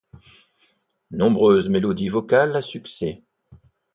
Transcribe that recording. Nombreuses mélodies vocales à succès.